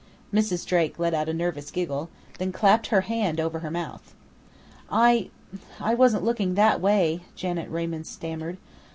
Mrs. Drake let out a nervous giggle, then clapped her hand over her mouth. "I I wasn't looking that way," Janet Raymond stammered.